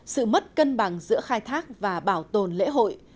sự mất cân bằng giữa khai thác và bảo tồn lễ hội